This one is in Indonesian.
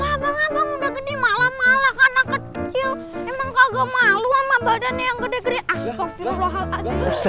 abang abang udah gede malah malah karena kecil emang kagak malu ama badannya yang gede gede astagfirullah